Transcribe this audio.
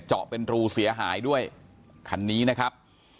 เป็นรูเสียหายด้วยคันนี้นะครับ